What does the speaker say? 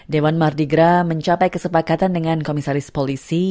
dewan mardi gras mencapai kesepakatan dengan komisaris polisi